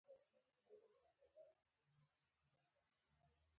• د پخلنځي په چوکۍ کښېنه او چای وڅښه.